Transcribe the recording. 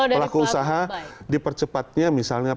pelaku usaha dipercepatnya misalnya prp satu ratus dua belas